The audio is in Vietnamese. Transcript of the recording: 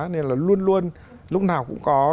nên là luôn luôn lúc nào cũng có